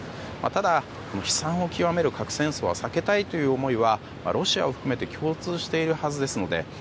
ただ、悲惨を極める核戦争は避けたいという思いはロシアを含めて共通しているはずなので。